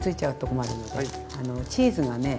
チーズがね